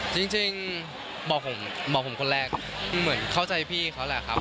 จริงบอกผมบอกผมคนแรกเหมือนเข้าใจพี่เขาแหละครับ